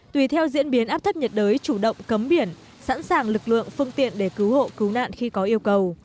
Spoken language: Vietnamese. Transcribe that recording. tùy theo diễn biến áp thấp nhiệt đới chủ động cấm biển sẵn sàng lực lượng phương tiện để cứu hộ cứu nạn khi có yêu cầu